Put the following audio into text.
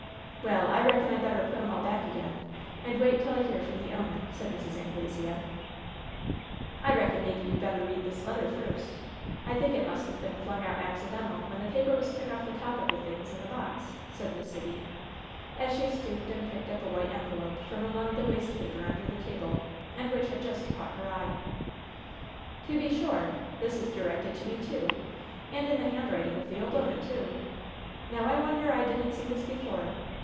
"Well, I reckon Fd better put 'em all back again, and wait till I hear from the owner," said Mrs. Anglesea. "I reckon maybe you better read this letter first. I think it must have been flim g out accidental when the paper was took off the top of the things in the box," said Miss Sibby, as she stooped and picked up a white en velope from among the waste paper imder the table^ and which had just caught her eye. LOVE'S BITTEREST CUP 66 ''To be sure ! This is directed to me, too, and in the handwriting of the ole 'oman, too. Now I wonder I didn't see this before.